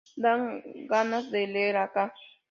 Dan ganas de leer acá".